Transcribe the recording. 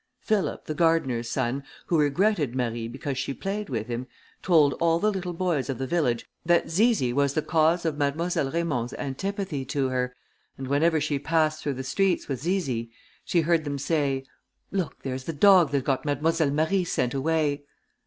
Philip, the gardener's son, who regretted Marie because she played with him, told all the little boys of the village that Zizi was the cause of Mademoiselle Raymond's antipathy to her, and whenever she passed through the streets with Zizi, she heard them say, "Look, there's the dog that got Mademoiselle Marie sent away!"